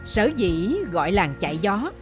sở dĩ gọi làng chạy gió